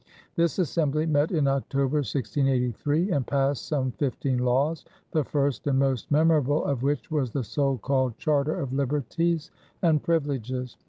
This Assembly met in October, 1683, and passed some fifteen laws, the first and most memorable of which was the so called Charter of Liberties and Privileges.